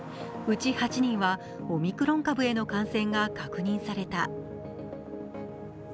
うち８人はオミクロン株への感染が確認された。